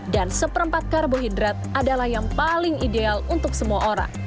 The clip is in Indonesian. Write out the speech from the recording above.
dan seperempat karbohidrat adalah yang paling ideal untuk semua orang